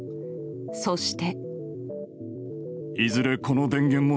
そして。